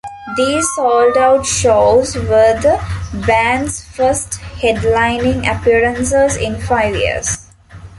These sold out shows were the band's first headlining appearances in five years.